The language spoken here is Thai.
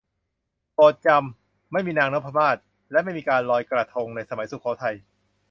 โปรดจำ ไม่มีนางนพมาศ และไม่มีการลอยกระทง ในสมัยสุโขทัย